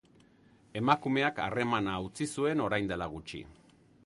Emakumeak harremana utzi zuen orain dela gutxi.